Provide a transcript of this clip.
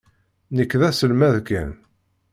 Nekk d aselmad kan.